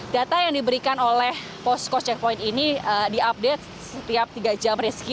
data yang diberikan oleh post coast check point ini diupdate setiap tiga jam riski